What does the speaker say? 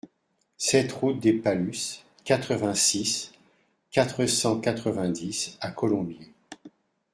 sept route des Pallus, quatre-vingt-six, quatre cent quatre-vingt-dix à Colombiers